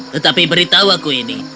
tetapi beritahu aku ini